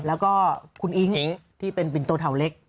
แล้วคุณอิ๊งที่เป็นปิ้นโตเทาเล็ก